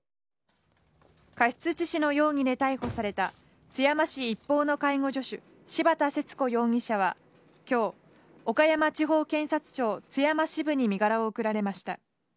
過失致死の容疑で逮捕された津山市一方の介護助手、柴田節子容疑者はきょう、岡山地方検察庁津山支部に身柄を送られました。